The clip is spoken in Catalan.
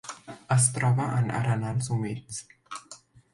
Es troba en arenals humits.